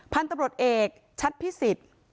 พันธุ์ตำรวจเอกชัดพิสิทธิ์